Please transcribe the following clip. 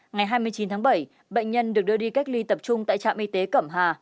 ngày hai mươi chín tháng bảy bệnh nhân được đưa đi cách ly tập trung tại trạm y tế cẩm hà